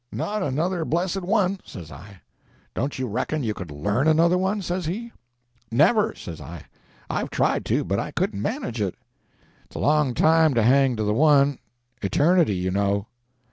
"Not another blessed one," says I. "Don't you reckon you could learn another one?" says he. "Never," says I; "I've tried to, but I couldn't manage it." "It's a long time to hang to the one—eternity, you know."